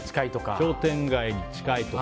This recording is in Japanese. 商店街に近いとか。